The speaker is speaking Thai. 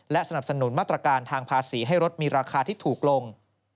สนับสนุนมาตรการทางภาษีให้รถมีราคาที่ถูกลง